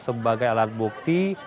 sebagai alat bukti